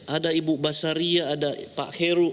ada ibu basaria ada pak heru